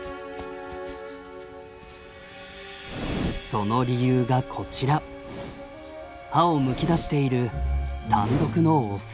その理由がこちら歯をむき出している単独のオス。